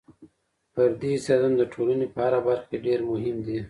فردي استعدادونه د ټولنې په هره برخه کې ډېر مهم دي.